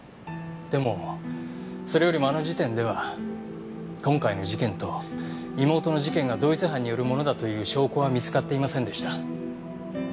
でもそれよりもあの時点では今回の事件と妹の事件が同一犯によるものだという証拠は見つかっていませんでした。